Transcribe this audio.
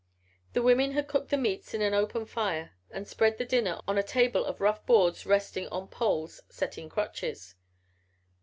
The women had cooked the meats by an open fire and spread the dinner on a table of rough boards resting on poles set in crotches.